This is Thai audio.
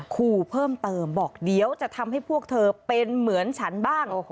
ขู่เพิ่มเติมบอกเดี๋ยวจะทำให้พวกเธอเป็นเหมือนฉันบ้าง